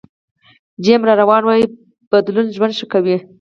جیم ران وایي بدلون ژوند ښه کوي.